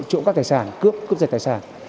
trộm các tài sản cướp cướp giật tài sản